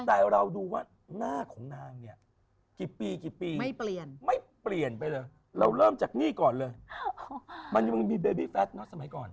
แต่เราดูว่าหน้าของนางเนี่ยกี่ปีกี่ปีไม่เปลี่ยนไม่เปลี่ยนไปเลยเราเริ่มจากนี่ก่อนเลยมันยังมีเบบี้แฟทเนอะสมัยก่อน